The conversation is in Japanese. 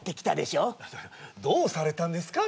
どうされたんですか？